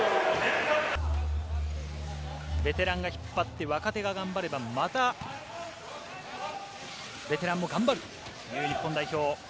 ベテランが引っ張って若手が頑張れば、またベテランも頑張るという日本代表。